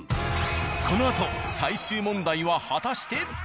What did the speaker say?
このあと最終問題は果たして？